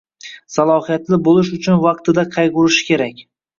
salohiyatli bo‘lishi uchun vaqtida qayg‘urishi kerak.